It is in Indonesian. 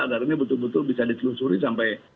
agar ini betul betul bisa ditelusuri sampai